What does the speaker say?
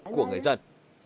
của người dân